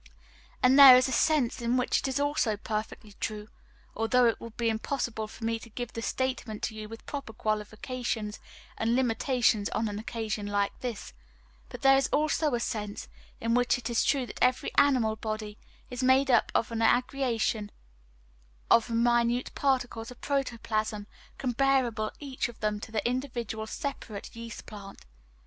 And there is a sense in which it is also perfectly true although it would be impossible for me to give the statement to you with proper qualifications and limitations on an occasion like this but there is also a sense in which it is true that every animal body is made up of an aggregation of minute particles of protoplasm, comparable each of them to the individual separate yeast plant.